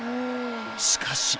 しかし。